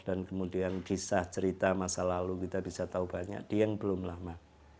dan kemudian kisah cerita masa lalu kita bisa tahu banyak diang belum lama